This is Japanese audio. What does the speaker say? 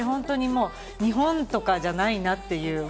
日本とかじゃないなっていう。